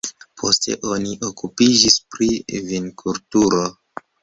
Poste oni okupiĝis pri vinkulturo.